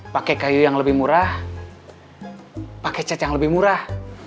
pakai kayu yang lebih murah pakai cat yang lebih murah